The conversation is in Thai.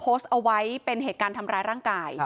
โพสต์เอาไว้เป็นเหตุการณ์ทำร้ายร่างกาย